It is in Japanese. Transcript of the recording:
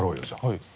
はい。